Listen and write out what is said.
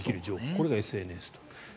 これがＳＮＳと。